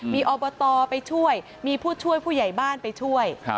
มีอบตไปช่วยมีผู้ช่วยผู้ใหญ่บ้านไปช่วย